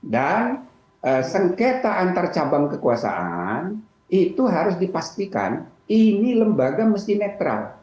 dan sengketa antar cabang kekuasaan itu harus dipastikan ini lembaga mesti netral